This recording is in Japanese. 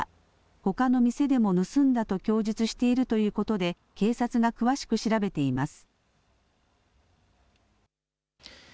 ほかの店でも盗んだと供述しているということで警察が詳しく調べています。